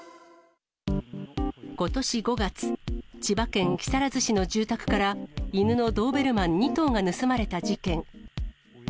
ことし５月、千葉県木更津市の住宅から犬のドーベルマン２頭が盗まれた事件。